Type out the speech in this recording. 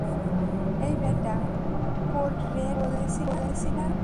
এই ব্যাটা, code red বলেছি না?